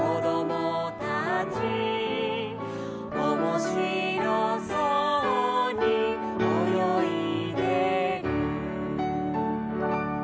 「おもしろそうにおよいでる」